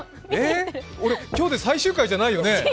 俺、今日で最終回じゃないよね？